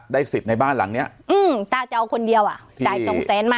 สิทธิ์ในบ้านหลังเนี้ยอืมตาจะเอาคนเดียวอ่ะจ่ายสองแสนมา